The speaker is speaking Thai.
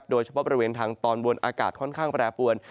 โดยเฉพาะบริเวณทางตอนบนอากาศค่อนข้างแปรปวน